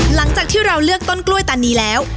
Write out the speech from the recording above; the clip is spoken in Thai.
หลังจากที่เราเลือกต้นกล้วยตานีแล้ว